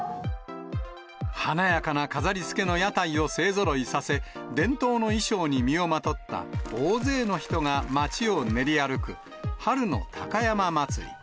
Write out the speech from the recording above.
華やかな飾りつけの屋台を勢ぞろいさせ、伝統の衣装に身をまとった大勢の人が街を練り歩く、春の高山祭。